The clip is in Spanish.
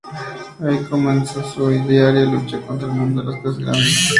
Ahí comienza su diaria lucha contra el mundo de las cosas grandes.